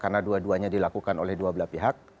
karena dua duanya dilakukan oleh dua belah pihak